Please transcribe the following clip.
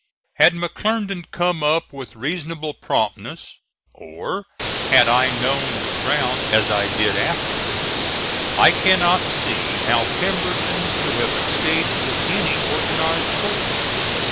Had McClernand come up with reasonable promptness, or had I known the ground as I did afterwards, I cannot see how Pemberton could have escaped with any organized force.